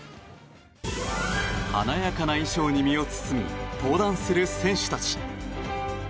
華やかな衣装に身を包み登壇する選手たち。